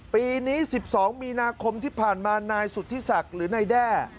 ปีนี้๑๒มีนาคมที่ผ่านมานายสุธิศักดิ์หรือนายแด้